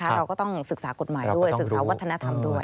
เราก็ต้องศึกษากฎหมายด้วยศึกษาวัฒนธรรมด้วย